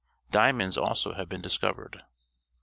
Diamonds also have been discovered.